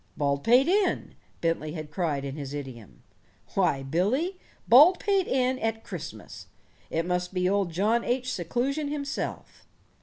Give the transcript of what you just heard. "Baldpate Inn," Bentley had cried in his idiom. "Why, Billy Baldpate Inn at Christmas it must be old John H. Seclusion himself."